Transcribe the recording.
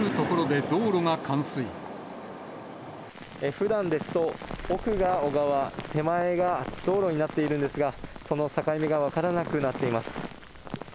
ふだんですと、奥が小川、手前が道路になっているんですが、その境目が分からなくなっています。